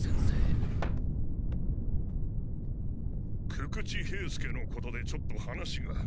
久々知兵助のことでちょっと話が。